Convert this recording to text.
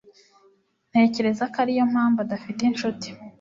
Ntekereza ko ariyo mpamvu adafite inshuti.